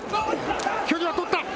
距離は取った。